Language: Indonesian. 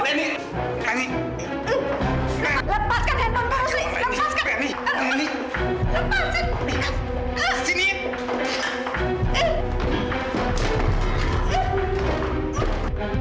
lenny aku gak mau nyakitin kamu